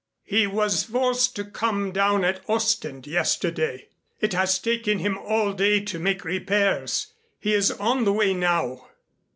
"He was forced to come down at Ostend, yesterday. It has taken him all day to make repairs. He is on the way now."